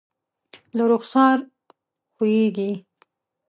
له رخسار ښویېږي